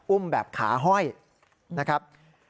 อุ้มแบบขาห้อยนะครับ